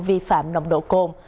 vì phạm nồng độ cồn